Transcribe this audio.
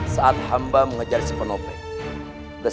dari mana senerjati mendapatkan bukti tusukonde itu